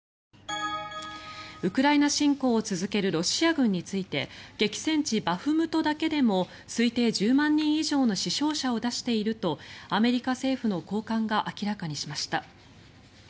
ウクライナ侵攻を続けるロシア軍について激戦地バフムトだけでも推定１０万人以上の死傷者を出しているとアメリカ政府の高官が明らかにしました。